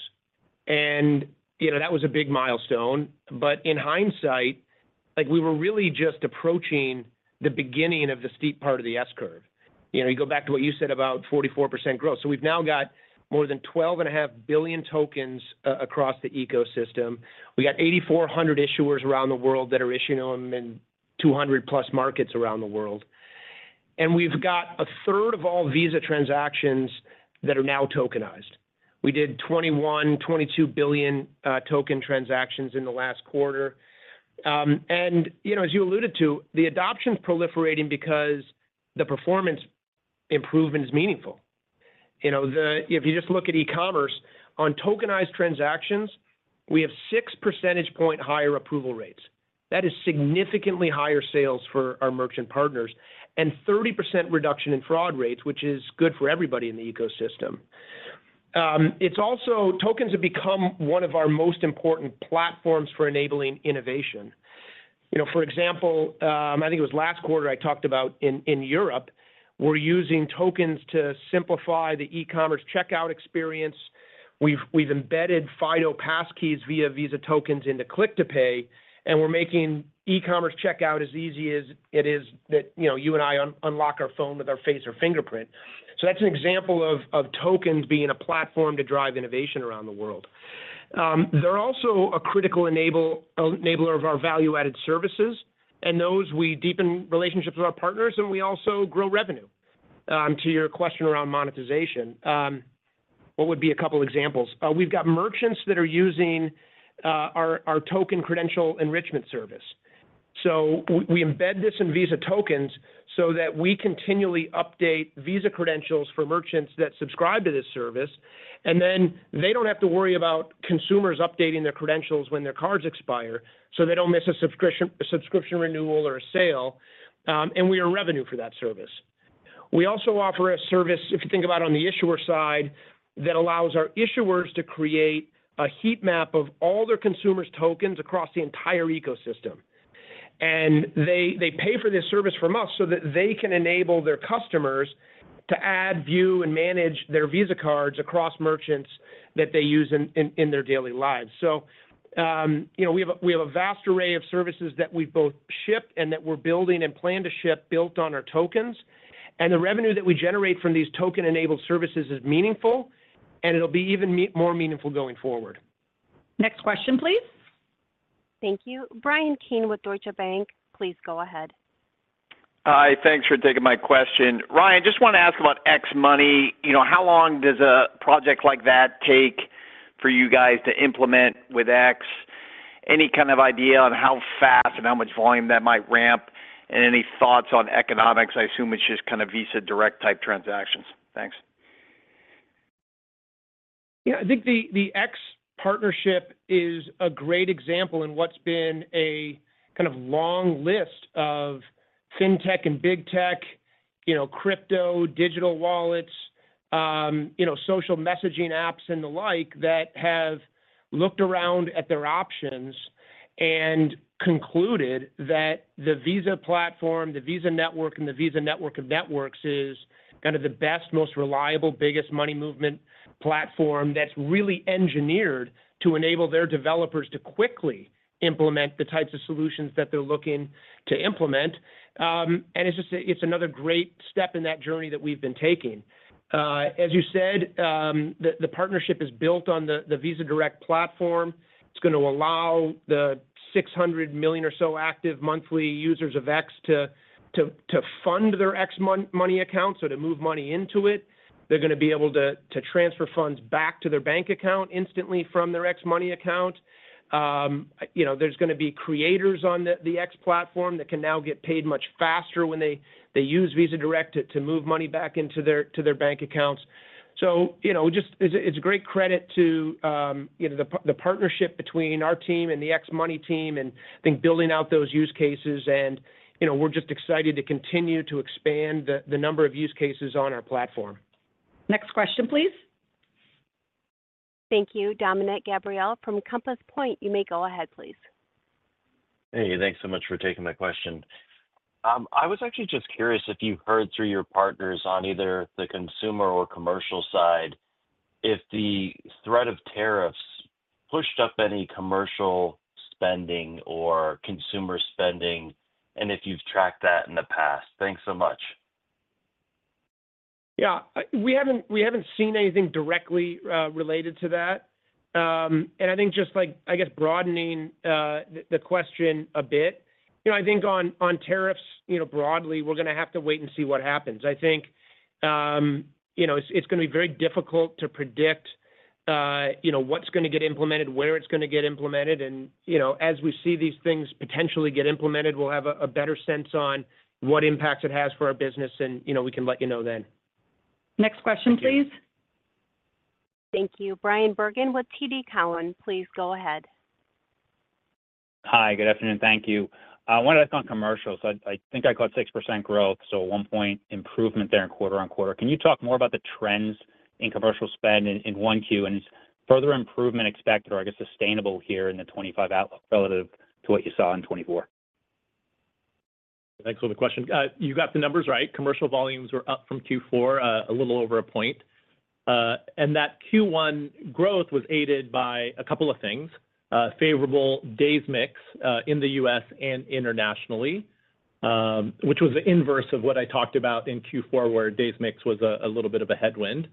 And that was a big milestone. But in hindsight, we were really just approaching the beginning of the steep part of the S-Curve. You go back to what you said about 44% growth. So we've now got more than 12.5 billion tokens across the ecosystem. We got 8,400 issuers around the world that are issuing them in 200+ markets around the world. We've got a third of all Visa transactions that are now tokenized. We did 21 billion-22 billion token transactions in the last quarter. As you alluded to, the adoption is proliferating because the performance improvement is meaningful. If you just look at e-commerce, on tokenized transactions, we have 6 percentage points higher approval rates. That is significantly higher sales for our merchant partners and 30% reduction in fraud rates, which is good for everybody in the ecosystem. Tokens have become one of our most important platforms for enabling innovation. For example, I think it was last quarter I talked about in Europe, we're using tokens to simplify the e-commerce checkout experience. We've embedded FIDO Passkeys via Visa tokens into Click to Pay, and we're making e-commerce checkout as easy as it is that you and I unlock our phone with our face or fingerprint. That's an example of tokens being a platform to drive innovation around the world. They're also a critical enabler of our value-added services, and those we deepen relationships with our partners, and we also grow revenue. To your question around monetization, what would be a couple of examples? We've got merchants that are using our Credential Enrichment Service. So we embed this in Visa tokens so that we continually update Visa credentials for merchants that subscribe to this service, and then they don't have to worry about consumers updating their credentials when their cards expire so they don't miss a subscription renewal or a sale. And we are revenue for that service. We also offer a service, if you think about it on the issuer side, that allows our issuers to create a heat map of all their consumers' tokens across the entire ecosystem. And they pay for this service from us so that they can enable their customers to add, view, and manage their Visa cards across merchants that they use in their daily lives. So we have a vast array of services that we both ship and that we're building and plan to ship built on our tokens. And the revenue that we generate from these token-enabled services is meaningful, and it'll be even more meaningful going forward. Next question, please. Thank you. Bryan Keane with Deutsche Bank. Please go ahead. Hi. Thanks for taking my question. Ryan, just want to ask about X Money. How long does a project like that take for you guys to implement with X? Any kind of idea on how fast and how much volume that might ramp and any thoughts on economics? I assume it's just kind of Visa Direct-type transactions. Thanks. Yeah. I think the X partnership is a great example in what's been a kind of long list of fintech and big tech, crypto, digital wallets, social messaging apps, and the like that have looked around at their options and concluded that the Visa platform, the Visa Network, and the Visa Network of Networks is kind of the best, most reliable, biggest money movement platform that's really engineered to enable their developers to quickly implement the types of solutions that they're looking to implement, and it's another great step in that journey that we've been taking. As you said, the partnership is built on the Visa Direct platform. It's going to allow the 600 million or so active monthly users of X to fund their X Money account, so to move money into it. They're going to be able to transfer funds back to their bank account instantly from their X Money account. There's going to be creators on the X platform that can now get paid much faster when they use Visa Direct to move money back into their bank accounts. So it's a great credit to the partnership between our team and the X Money team and I think building out those use cases, and we're just excited to continue to expand the number of use cases on our platform. Next question, please. Thank you. Dominick Gabriele from Compass Point, you may go ahead, please. Hey, thanks so much for taking my question. I was actually just curious if you heard through your partners on either the consumer or commercial side if the threat of tariffs pushed up any commercial spending or consumer spending and if you've tracked that in the past. Thanks so much. Yeah. We haven't seen anything directly related to that. I think just, I guess, broadening the question a bit, I think on tariffs broadly, we're going to have to wait and see what happens. I think it's going to be very difficult to predict what's going to get implemented, where it's going to get implemented. As we see these things potentially get implemented, we'll have a better sense on what impacts it has for our business, and we can let you know then. Next question, please. Thank you. Bryan Bergin with TD Cowen, please go ahead. Hi. Good afternoon. Thank you. I wanted to ask on commercials. I think I caught 6% growth, so one-point improvement there in quarter on quarter. Can you talk more about the trends in commercial spend in 1Q and further improvement expected or, I guess, sustainable here in the 2025 outlook relative to what you saw in 2024? Thanks for the question. You got the numbers right. Commercial volumes were up from Q4 a little over a point. And that Q1 growth was aided by a couple of things: favorable days mix in the U.S. and internationally, which was the inverse of what I talked about in Q4 where days mix was a little bit of a headwind.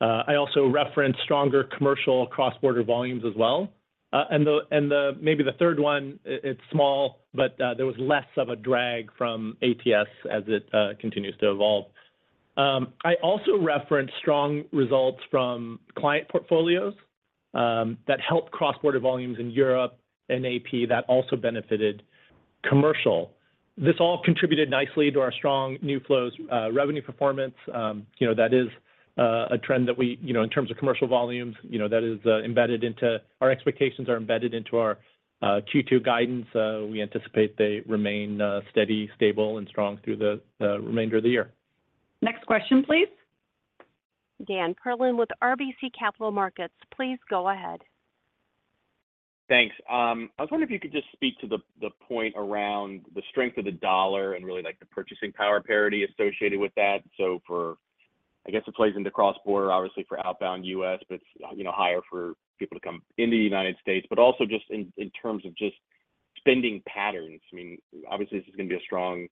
I also referenced stronger commercial cross-border volumes as well. And maybe the third one, it's small, but there was less of a drag from ATS as it continues to evolve. I also referenced strong results from client portfolios that helped cross-border volumes in Europe and AP that also benefited commercial. This all contributed nicely to our strong new flows revenue performance. That is a trend that we, in terms of commercial volumes, that is embedded into our expectations, are embedded into our Q2 guidance. We anticipate they remain steady, stable, and strong through the remainder of the year. Next question, please. Dan Perlin with RBC Capital Markets, please go ahead. Thanks. I was wondering if you could just speak to the point around the strength of the dollar and really the purchasing power parity associated with that. So for, I guess, it plays into cross-border, obviously, for outbound U.S., but it's higher for people to come into the United States, but also just in terms of just spending patterns. I mean, obviously, this is going to be a strong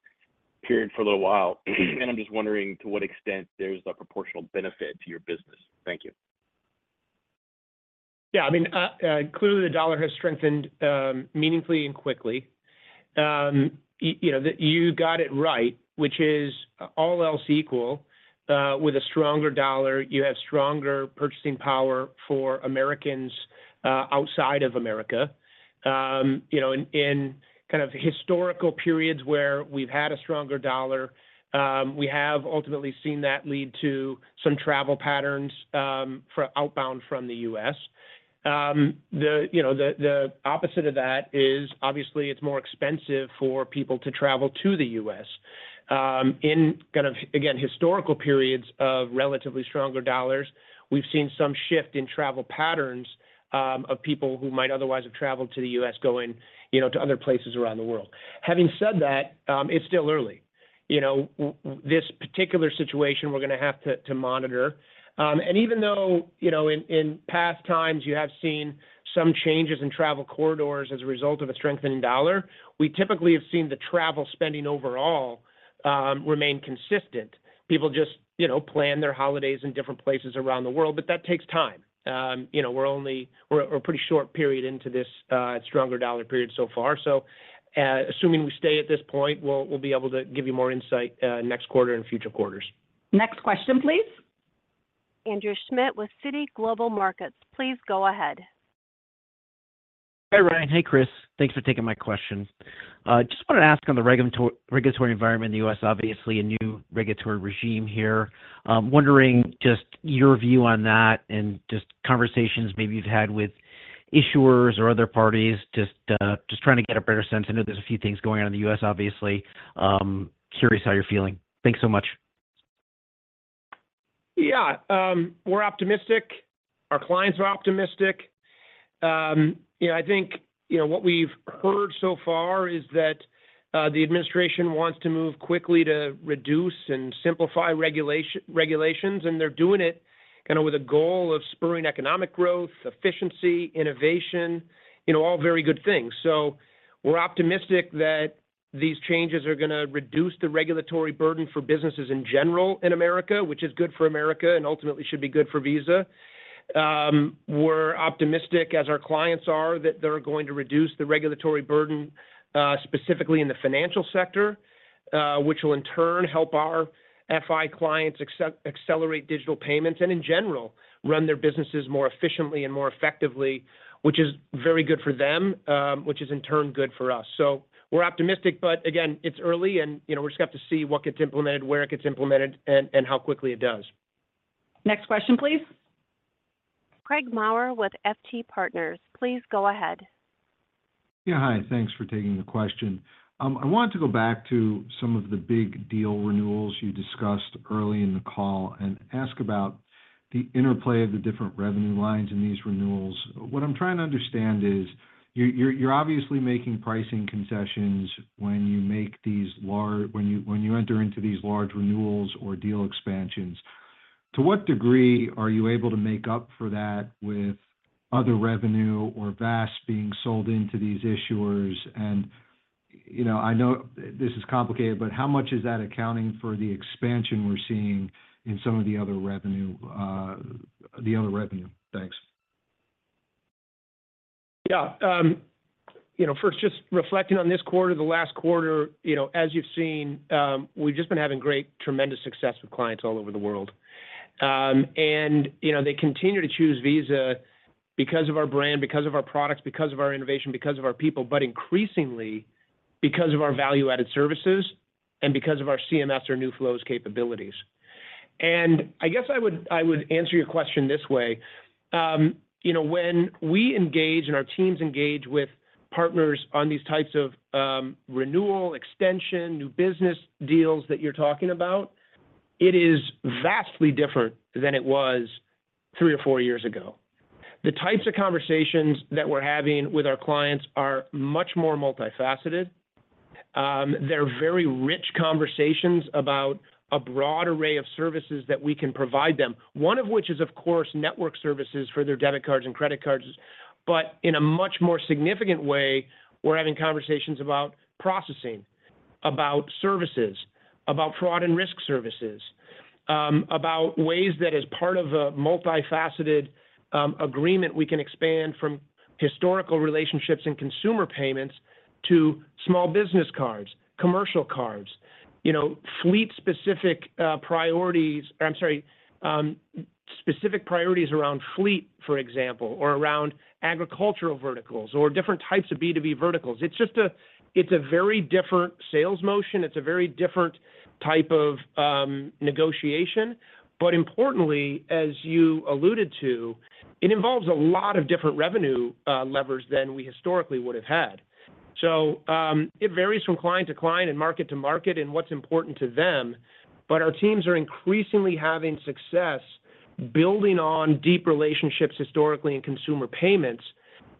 period for a little while. And I'm just wondering to what extent there's a proportional benefit to your business. Thank you. Yeah. I mean, clearly, the dollar has strengthened meaningfully and quickly. You got it right, which is all else equal. With a stronger dollar, you have stronger purchasing power for Americans outside of America. In kind of historical periods where we've had a stronger dollar, we have ultimately seen that lead to some travel patterns for outbound from the U.S. The opposite of that is, obviously, it's more expensive for people to travel to the U.S. In kind of, again, historical periods of relatively stronger dollars, we've seen some shift in travel patterns of people who might otherwise have traveled to the U.S. going to other places around the world. Having said that, it's still early. This particular situation, we're going to have to monitor, and even though in past times, you have seen some changes in travel corridors as a result of a strengthening dollar, we typically have seen the travel spending overall remain consistent. People just plan their holidays in different places around the world, but that takes time. We're a pretty short period into this stronger dollar period so far. So assuming we stay at this point, we'll be able to give you more insight next quarter and future quarters. Next question, please. Andrew Schmidt with Citi Global Markets, please go ahead. Hi, Ryan. Hey, Chris. Thanks for taking my question. Just wanted to ask on the regulatory environment in the U.S., obviously, a new regulatory regime here. I'm wondering just your view on that and just conversations maybe you've had with issuers or other parties, just trying to get a better sense. I know there's a few things going on in the U.S., obviously. Curious how you're feeling. Thanks so much. Yeah. We're optimistic. Our clients are optimistic. I think what we've heard so far is that the administration wants to move quickly to reduce and simplify regulations, and they're doing it kind of with a goal of spurring economic growth, efficiency, innovation, all very good things. So we're optimistic that these changes are going to reduce the regulatory burden for businesses in general in America, which is good for America and ultimately should be good for Visa. We're optimistic, as our clients are, that they're going to reduce the regulatory burden specifically in the financial sector, which will in turn help our FI clients accelerate digital payments and, in general, run their businesses more efficiently and more effectively, which is very good for them, which is in turn good for us. So we're optimistic, but again, it's early, and we're just going to have to see what gets implemented, where it gets implemented, and how quickly it does. Next question, please. Craig Maurer with FT Partners, please go ahead. Yeah. Hi. Thanks for taking the question. I wanted to go back to some of the big deal renewals you discussed early in the call and ask about the interplay of the different revenue lines in these renewals. What I'm trying to understand is you're obviously making pricing concessions when you enter into these large renewals or deal expansions. To what degree are you able to make up for that with other revenue or VAS being sold into these issuers? And I know this is complicated, but how much is that accounting for the expansion we're seeing in some of the other revenue? The other revenue. Thanks. Yeah. First, just reflecting on this quarter, the last quarter, as you've seen, we've just been having great, tremendous success with clients all over the world. They continue to choose Visa because of our brand, because of our products, because of our innovation, because of our people, but increasingly because of our value-added services and because of our CMS or new flows capabilities. I guess I would answer your question this way. When we engage and our teams engage with partners on these types of renewal, extension, new business deals that you're talking about, it is vastly different than it was three or four years ago. The types of conversations that we're having with our clients are much more multifaceted. They're very rich conversations about a broad array of services that we can provide them, one of which is, of course, network services for their debit cards and credit cards. But in a much more significant way, we're having conversations about processing, about services, about fraud and risk services, about ways that, as part of a multifaceted agreement, we can expand from historical relationships and consumer payments to small business cards, commercial cards, fleet-specific priorities, I'm sorry, specific priorities around fleet, for example, or around agricultural verticals or different types of B2B verticals. It's a very different sales motion. It's a very different type of negotiation. But importantly, as you alluded to, it involves a lot of different revenue levers than we historically would have had. So it varies from client to client and market to market and what's important to them. But our teams are increasingly having success building on deep relationships historically in consumer payments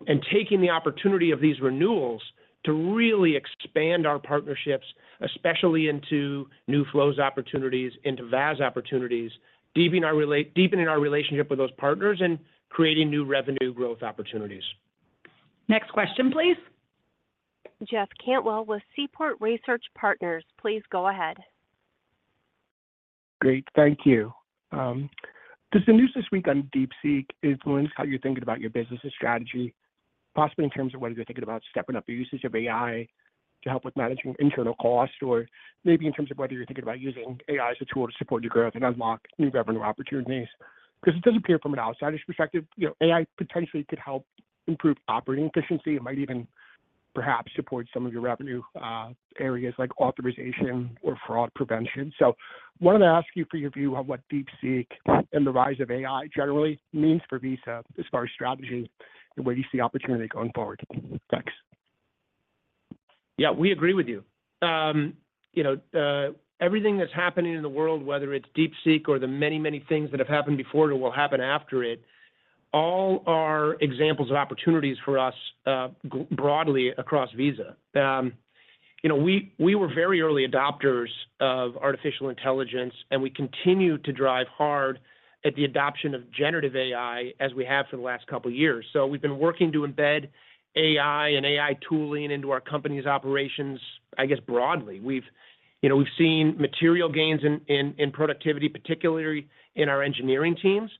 and taking the opportunity of these renewals to really expand our partnerships, especially into new flows opportunities, into VAS opportunities, deepening our relationship with those partners and creating new revenue growth opportunities. Next question, please. Jeff Cantwell with Seaport Research Partners, please go ahead. Great. Thank you. Does the news this week on DeepSeek influence how you're thinking about your business and strategy, possibly in terms of whether you're thinking about stepping up your usage of AI to help with managing internal costs or maybe in terms of whether you're thinking about using AI as a tool to support your growth and unlock new revenue opportunities? Because it does appear from an outsider's perspective, AI potentially could help improve operating efficiency and might even perhaps support some of your revenue areas like authorization or fraud prevention. So I wanted to ask you for your view on what DeepSeek and the rise of AI generally means for Visa as far as strategy and where you see opportunity going forward. Thanks. Yeah. We agree with you. Everything that's happening in the world, whether it's DeepSeek or the many, many things that have happened before or will happen after it, all are examples of opportunities for us broadly across Visa. We were very early adopters of artificial intelligence, and we continue to drive hard at the adoption of generative AI as we have for the last couple of years. So we've been working to embed AI and AI tooling into our company's operations, I guess, broadly. We've seen material gains in productivity, particularly in our engineering teams.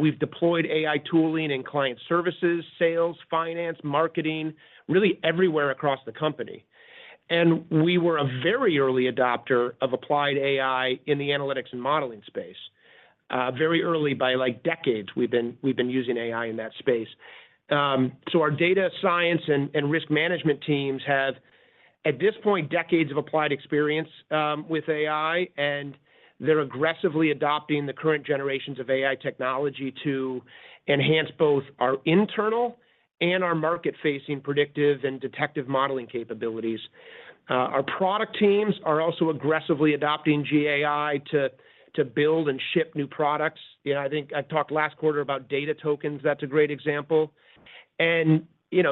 We've deployed AI tooling in client services, sales, finance, marketing, really everywhere across the company, and we were a very early adopter of applied AI in the analytics and modeling space. Very early, by decades, we've been using AI in that space, so our data science and risk management teams have, at this point, decades of applied experience with AI, and they're aggressively adopting the current generations of AI technology to enhance both our internal and our market-facing predictive and detective modeling capabilities. Our product teams are also aggressively adopting Gen AI to build and ship new products. I think I talked last quarter about data tokens. That's a great example. And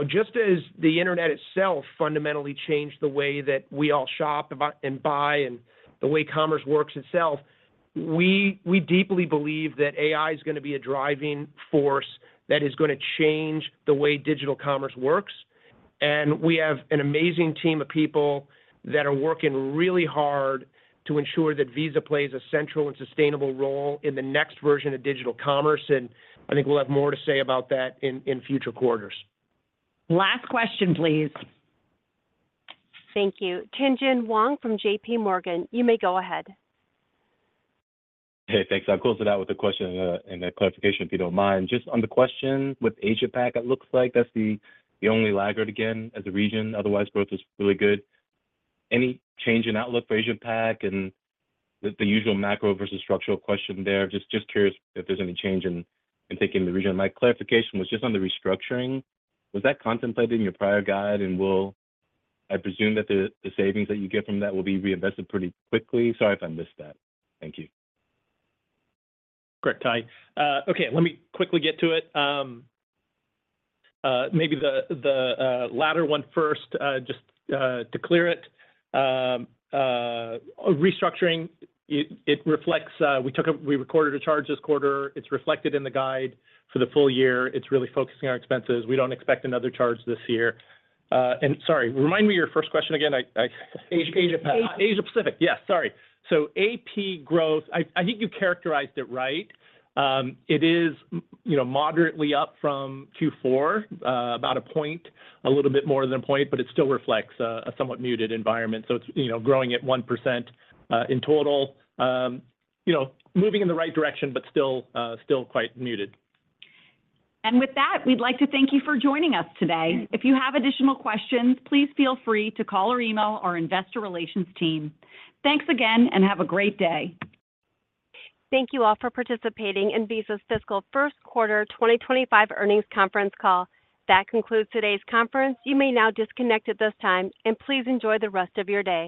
just as the internet itself fundamentally changed the way that we all shop and buy and the way commerce works itself, we deeply believe that AI is going to be a driving force that is going to change the way digital commerce works. And we have an amazing team of people that are working really hard to ensure that Visa plays a central and sustainable role in the next version of digital commerce. And I think we'll have more to say about that in future quarters. Last question, please. Thank you. Tien-tsin Huang from JPMorgan. You may go ahead. Hey, thanks. I'll close it out with a question and a clarification, if you don't mind. Just on the question with AsiaPac, it looks like that's the only laggard again as a region. Otherwise, growth is really good. Any change in outlook for AsiaPac and the usual macro versus structural question there? Just curious if there's any change in taking the region. My clarification was just on the restructuring. Was that contemplated in your prior guide? And I presume that the savings that you get from that will be reinvested pretty quickly. Sorry if I missed that. Thank you. Great. Okay. Let me quickly get to it. Maybe the latter one first, just to clear it. Restructuring, it reflects we recorded a charge this quarter. It's reflected in the guide for the full year. It's really focusing our expenses. We don't expect another charge this year. And sorry, remind me your first question again. AsiaPac. Asia Pacific. Yes. Sorry. So AP growth, I think you characterized it right. It is moderately up from Q4, about a point, a little bit more than a point, but it still reflects a somewhat muted environment. So it's growing at 1% in total, moving in the right direction, but still quite muted. And with that, we'd like to thank you for joining us today. If you have additional questions, please feel free to call or email our investor relations team. Thanks again, and have a great day. Thank you all for participating in Visa's Fiscal First Quarter 2025 Earnings Conference Call. That concludes today's conference. You may now disconnect at this time, and please enjoy the rest of your day.